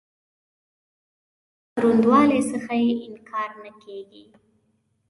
د شخصیت له دروندوالي څخه یې انکار نه کېږي.